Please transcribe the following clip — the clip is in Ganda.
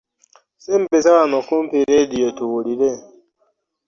Sembeza wano okumpi leediyo tuwulire.